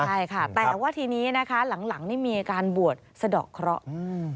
ใช่ค่ะแต่ว่าทีนี้นะคะหลังนี่มีอาการบวชสะดอกเคราะห์